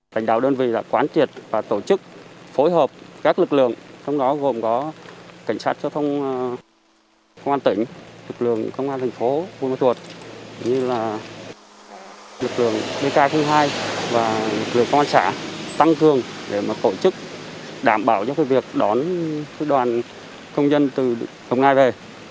cảnh đạo đơn vị đã quán tiệt và tổ chức phối hợp các lực lượng trong đó gồm có cảnh sát cho phong công an tỉnh lực lượng công an thành phố vua mắt tuột lực lượng bk hai và lực lượng công an xã tăng thường để phổ chức đảm bảo cho việc đón đoàn công dân từ đồng nai về